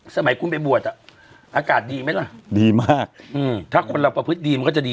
สมัยคุณไปบวชอ่ะอากาศดีไหมล่ะดีมากถ้าคนเราประพฤติดีมันก็จะดี